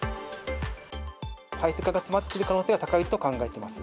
排水管が詰まってる可能性が高いと考えています。